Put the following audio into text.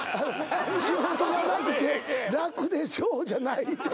「仕事がなくて楽でしょう」じゃないって